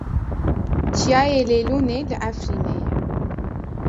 Çiyayê Lêlûnê li Efrînê ye.